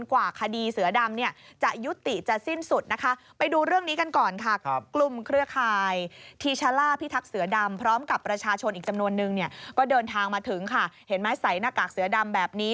ก็เดินทางมาถึงค่ะเห็นไหมใส่หน้ากากเสือดำแบบนี้